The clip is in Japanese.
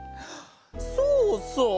そうそう！